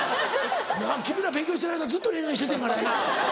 君ら勉強してる間ずっと恋愛しててんからやな。